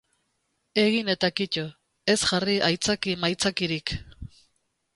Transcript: Egin eta kito, ez jarri aitzaki-maitzakirik.